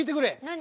何？